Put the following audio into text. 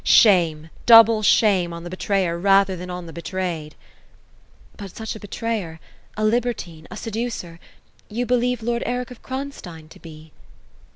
Shame, double shame, on the l>etrayer rather than on the betrayed !"•'• But such a betrayer, — a libertine — a seducer, — ^you believe lord Eric of Kronstein to bo."